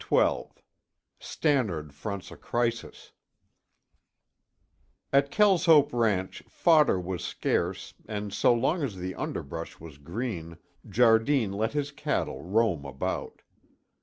XII STANNARD FRONTS A CRISIS At Kelshope ranch fodder was scarce and so long as the underbrush was green Jardine let his cattle roam about.